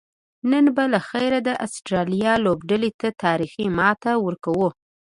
نن به لخیره د آسترالیا لوبډلې ته تاریخي ماته ورکوو